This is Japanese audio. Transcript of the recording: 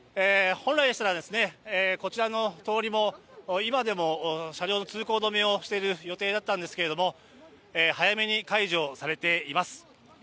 本来でしたらこちらの通りも今でも車両の通行止めをしている予定だったんですけれども、早めに解除されています。